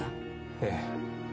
ええ。